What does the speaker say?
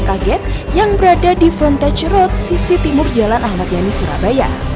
kaget yang berada di frontage road sisi timur jalan ahmad yani surabaya